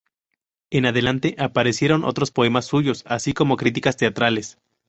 En adelante, aparecieron otros poemas suyos, así como críticas teatrales.